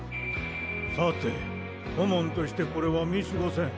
さて顧問としてこれは見過ごせん。